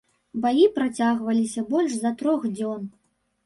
Баі працягваліся больш за трох дзён.